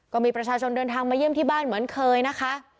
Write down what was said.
ก็มีประชาชนเดินทางมาเยี่ยมที่บ้านเหมือนเคยนะคะ